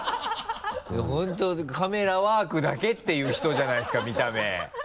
本当カメラワークだけっていう人じゃないですか見た目。